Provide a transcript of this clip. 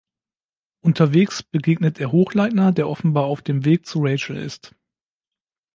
Unterwegs begegnet er Hochleitner, der offenbar auf dem Weg zu Rachel ist.